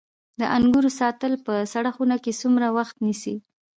د انګورو ساتل په سړه خونه کې څومره وخت نیسي؟